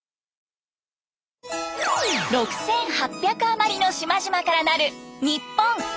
６，８００余りの島々からなるニッポン。